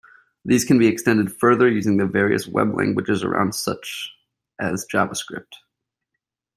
These can be extended further using the various web languages around such as JavaScript.